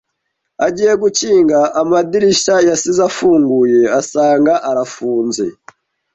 Agiye gukinga amadirishya yasize afunguye asanga arafunze.